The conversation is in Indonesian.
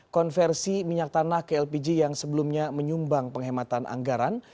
konversi minyak tanah ke lpg yang sebelumnya menyumbang penghematan anggaran